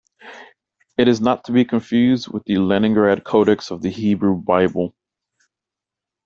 It is not to be confused with the Leningrad Codex of the Hebrew Bible.